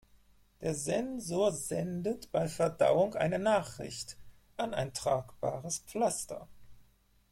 Der Sensor sendet bei Verdauung eine Nachricht an ein tragbares Pflaster.